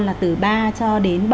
là từ ba cho đến bảy